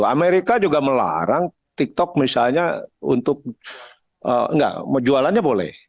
amerika juga melarang tiktok misalnya untuk enggak jualannya boleh